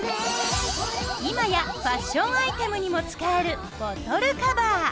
今やファッションアイテムにも使えるボトルカバー。